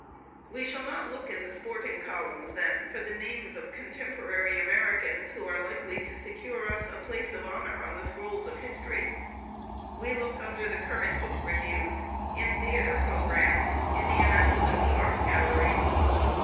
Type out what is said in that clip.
We shall not look in the sporting columns, then, for the names of contemporary Americans who are likely to secure us a place of honor on the scrolls of history. We look under the current book reviews, in theatre programmes, in the announcements of art galleries.